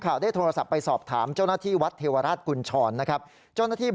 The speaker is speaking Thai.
แล้วบางครั้งตรงโป๊ะก็มีประชาชนมาทำบุญปล่อยปลาตรงท่าเรือตรงโป๊ะดังกล่าวอยู่บ่อยครั้งนะครับ